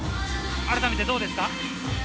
改めてどうですか？